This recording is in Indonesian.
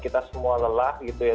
kita semua lelah gitu ya